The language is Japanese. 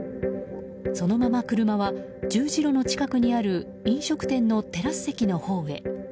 そのまま車は十字路の近くにある飲食店のテラス席のほうへ。